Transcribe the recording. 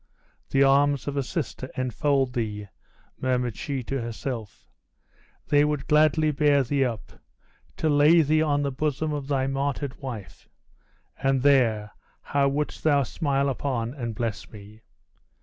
"The arms of a sister enfold thee," murmured she to herself; "they would gladly bear thee up, to lay thee on the bosom of thy martyred wife; and there, how wouldst thou smile upon and bless me!